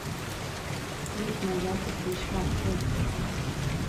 یک ملت پیشرفته